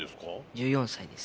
１４歳です。